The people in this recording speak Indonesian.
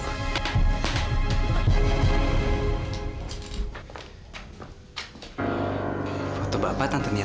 foto bapak tantangnya